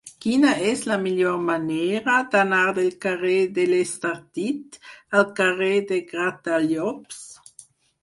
Quina és la millor manera d'anar del carrer de l'Estartit al carrer de Gratallops?